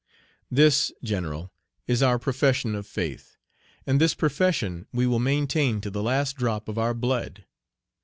This, general, is our profession of faith; and this profession we will maintain to the last drop of our blood.